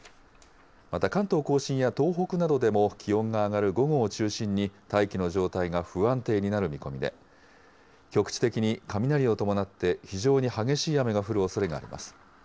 また関東甲信や、東北などでも気温が上がる午後を中心に、大気の状態が不安定になる見込みで、局地的に雷を伴って、非常に激しい雨が降るおそれがあります。